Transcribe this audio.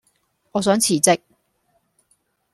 我想辭職